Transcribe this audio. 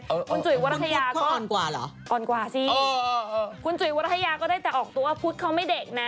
คุณจุ๋ยวรัฐยาก็อ่อนกว่าสิคุณจุ๋ยวรัฐยาก็ได้แตกออกตัวว่าพุทธเขาไม่เด็กนะ